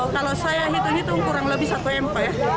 kalau saya hitung itu kurang lebih satu mp ya